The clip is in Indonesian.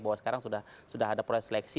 bahwa sekarang sudah ada proyek seleksi